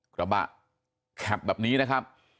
กระบะแข็บแบบนี้นะครับ